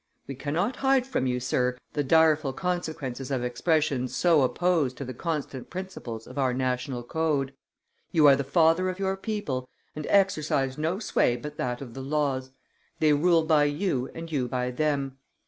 We cannot hide from you, Sir, the direful consequences of expressions so opposed to the constant principles of our national code. You are the father of your people, and exercise no sway but that of the laws; they rule by you and you by them.